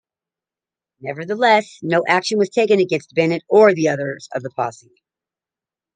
Nevertheless, no action was taken against Bennett or others of the posse.